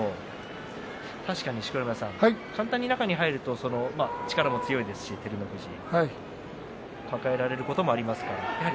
確かに錣山さん簡単に中に入ると照ノ富士は力も強いですし抱えられることもありますからね。